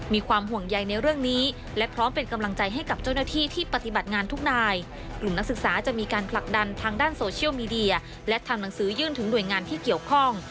มีความห่วงใยในเรื่องนี้และพร้อมเป็นกำลังใจให้กับเจ้าหน้าที่ที่ปฏิบัติงานทุกนายกลุ่มนักศึกษาจะมีการผลักดันทางด้านโซเชียลมีเดียและทำหนังสือยื่นถึงหน่วยงานที่เกี่ยวข้อง